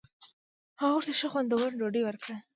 هغه ورته ښه خوندوره ډوډۍ ورکړه.